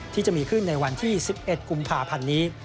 ที่จะมีขึ้นในวันที่๑๑กุมภาพันธ์นี้